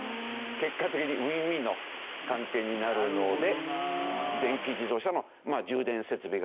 結果的にウィンウィンの関係になるので電気自動車の充電設備が増えてくる。